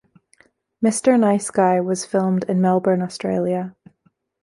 "Mr. Nice Guy" was filmed in Melbourne, Australia.